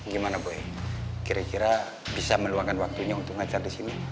gimana boy kira kira bisa meluangkan waktunya untuk ngajar di sini